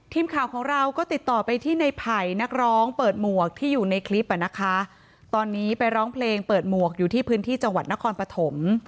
ทีมข่าวของเราก็ติดต่อไปที่ในไผ่นักร้องเปิดหมวกที่อยู่ในคลิปอ่ะนะคะตอนนี้ไปร้องเพลงเปิดหมวกอยู่ที่พื้นที่จังหวัดนครปฐม